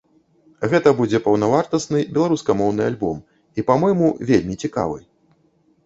Гэта будзе паўнавартасны беларускамоўны альбом і, па-мойму, вельмі цікавы.